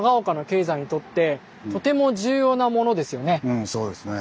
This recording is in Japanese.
うんそうですね。